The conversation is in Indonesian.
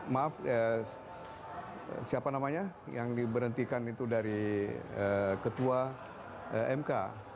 maaf siapa namanya yang diberhentikan itu dari ketua mk